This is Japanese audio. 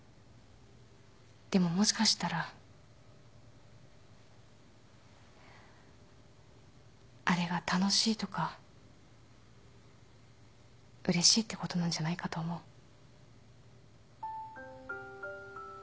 でももしかしたらあれが楽しいとかうれしいってことなんじゃないかと思う